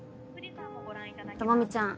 朋美ちゃん